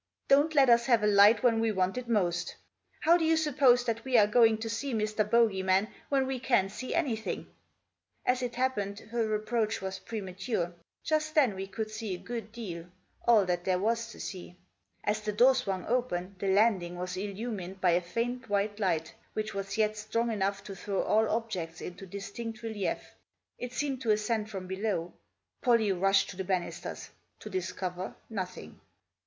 Don't let us have a light when we want it most How do you suppose that we are going to see Mr. Bogey man when we can't see anything ?" As it happened, her reproach was premature. Just then we could see a good deal ; all that there was to Digitized by THE NOISE WHICH CAME FROM THE PASSAGE. 146 see. As the door swung open the landing was illumined by a faint white light, which was yet strong enough to throw all objects into distinct relief. It seemed to ascend from below. Pollie rushed to the banisters ; to discover nothing.